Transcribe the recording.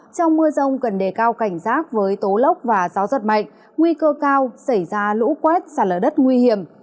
trong mưa rông cần đề cao cảnh giác với tố lốc và gió giật mạnh nguy cơ cao xảy ra lũ quét sạt lở đất nguy hiểm